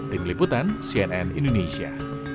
tim liputan cnn indonesia